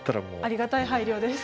ありがたい配慮です。